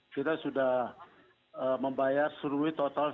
kita sudah membayar suruhi total